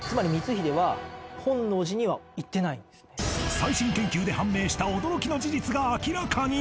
最新研究で判明した驚きの事実が明らかに！